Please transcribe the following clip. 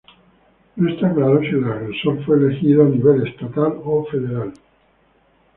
No está claro si el agresor fue elegido a nivel estatal o federal.